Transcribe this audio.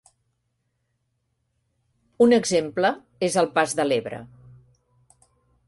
Un exemple és el Pas de l'Ebre.